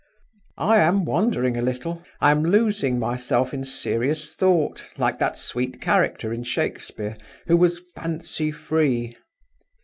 "I am wandering a little; I am losing myself in serious thought, like that sweet character in Shakespeare who was 'fancy free.